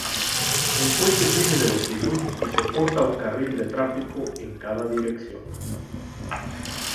El puente tiene de longitud y soporta un carril de tráfico en cada dirección.